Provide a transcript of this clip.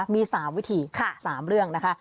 มี๓วิธี๓เรื่องนะคะ